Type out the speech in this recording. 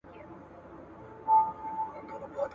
چي ناڅاپه د خوني زمري غړومبی سو !.